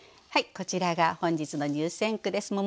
はいこちらが本日の入選句です。